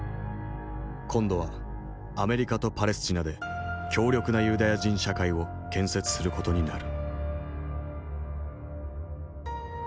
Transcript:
今度はアメリカとパレスチナで強力なユダヤ人社会を建設する事になる。